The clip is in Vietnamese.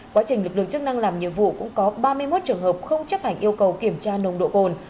quá trình lực lượng chức năng làm nhiệm vụ cũng có ba mươi một trường hợp không chấp hành yêu cầu kiểm tra nồng độ cồn